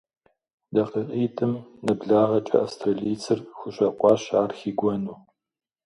ДакъикъитӀым нэблагъэкӀэ австралийцыр хущӀэкъуащ ар хигуэну.